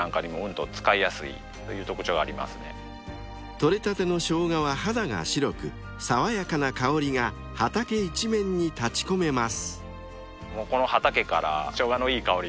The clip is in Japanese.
［採れたてのショウガは肌が白く爽やかな香りが畑一面に立ち込めます］